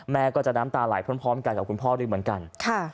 แม่ก็จะน้ำตาไหลพร้อมกันกับคุณพ่อด้วยเหมือนกัน